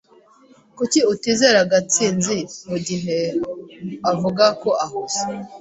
Kuki utizera Gatsinzi mugihe avuga ko ahuze?